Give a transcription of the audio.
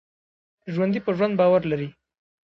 ژوندي په ژوند باور لري